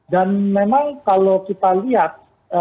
dan memang kalau kita lihat